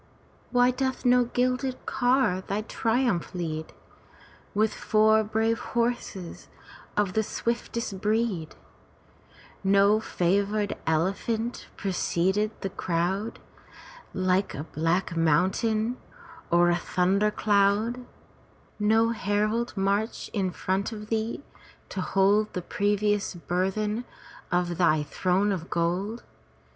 Why doth no gilded car thy triumph lead, With four brave horses of the swiftest breed; No favored elephant precede the crowd Like a black mountain or a thunder cloud; No herald march in front of thee to hold The precious burthen of thy throne of gold?